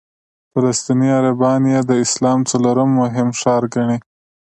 فلسطیني عربان یې د اسلام څلورم مهم ښار ګڼي.